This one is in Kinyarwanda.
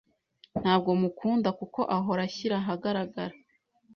Ntabwo mukunda, kuko ahora ashyira ahagaragara.